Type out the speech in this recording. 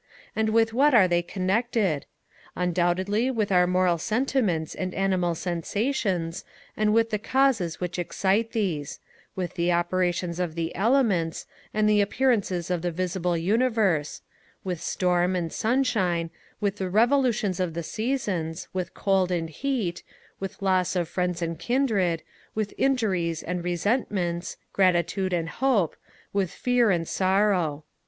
And with what are they connected? Undoubtedly with our moral sentiments and animal sensations, and with the causes which excite these; with the operations of the elements, and the appearances of the visible universe; with storm and sunshine, with the revolutions of the seasons, with cold and heat, with loss of friends and kindred, with injuries and resentments, gratitude and hope, with fear and sorrow.